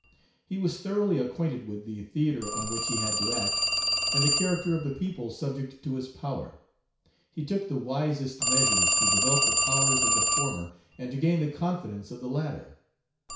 He was thoroughly acquainted with the theatre on which he had to act, and the character of the people subject to his power. He took the wisest measures to develop the powers of the former, and to gain the confidence of the latter.